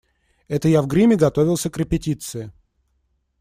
Это я в гриме готовился к репетиции.